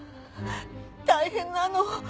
大変なの。